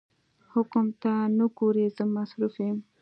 حم ته نه ګورې زه مصروف يم.